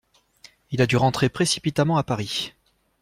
Il a dû rentrer précipitamment à Paris.